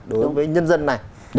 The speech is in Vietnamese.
đối với nhân dân này